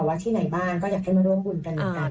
ว่าที่ไหนบ้างก็อยากให้มาร่วมบุญกันเหมือนกัน